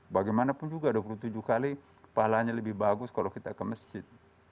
bagaimanapun juga dua puluh tujuh kali pahalanya lebih bagus kalau kita ke masjid